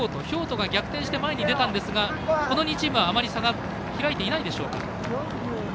京都が逆転して前に出たんですがこの２チームは、あまり差が開いていないでしょうか。